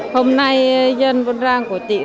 hôm nay dân vân rang của chị